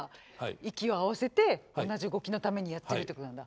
息を合わせて同じ動きのためにやってるってことなんだ。